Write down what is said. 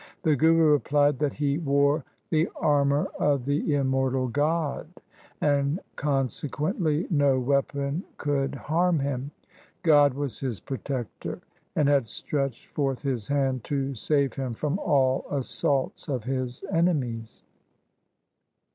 The Guru replied that he wore the armour of the immortal God, and consequently no weapon could harm him. God was his protector and had stretched forth His hand to save him from all assaults of his enemies.